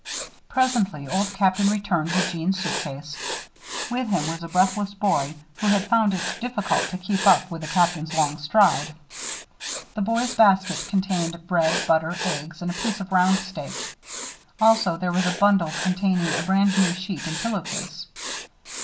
Presently Old Captain returned with Jeanne's suitcase. With him was a breathless boy who had found it difficult to keep up with the Captain's long stride. The boy's basket contained bread, butter, eggs, and a piece of round steak. Also there was a bundle containing a brand new sheet and pillow case.